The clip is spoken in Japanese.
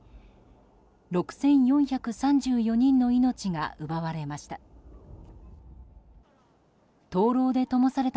６４３４人の命が奪われました。